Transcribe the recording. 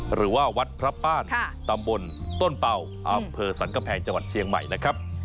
หรือว่าวัดพระป้านตำบลต้นเป่าอำเภอสรรกำแพงจังหวัดเชียงใหม่นะครับ